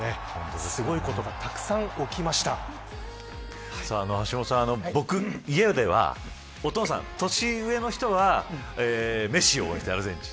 すごいことが橋下さん、僕家ではお父さん、年上の人はメッシを応援してアルゼンチン。